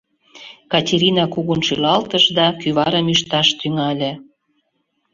— Катерина кугун шӱлалтыш да кӱварым ӱшташ тӱҥале.